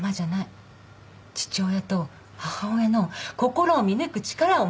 父親と母親の心を見抜く力を持つの。